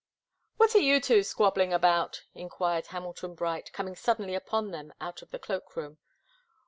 "What are you two squabbling about?" enquired Hamilton Bright, coming suddenly upon them out of the cloak room.